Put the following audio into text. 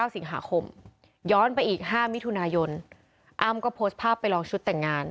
สิงหาคมย้อนไปอีก๕มิถุนายนอ้ำก็โพสต์ภาพไปลองชุดแต่งงาน